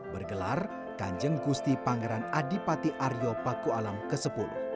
bergelar kanjeng gusti pangeran adipati aryo pakualam ke sepuluh